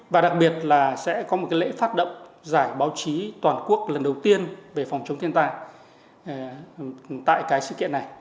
và đặc biệt là sẽ có một cái lễ phát động giải báo chí toàn quốc lần đầu tiên về phòng chống thiên tai tại cái sự kiện này